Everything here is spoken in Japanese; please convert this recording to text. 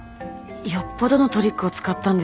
よっぽどのトリックを使ったんですね。